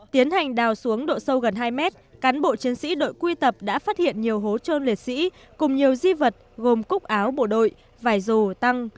tiến hành đào xuống độ sâu gần hai mét cán bộ chiến sĩ đội quy tập đã phát hiện nhiều hố trơn liệt sĩ cùng nhiều di vật gồm cúc áo bộ đội vải dù tăng